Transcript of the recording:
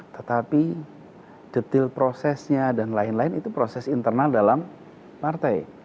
tetapi detil prosesnya dan lain lain itu proses internal dalam partai